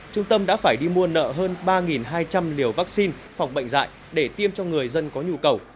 trung tâm đã phải đi mua nợ hơn ba hai trăm linh liều vaccine phòng bệnh dạy để tiêm cho người dân có nhu cầu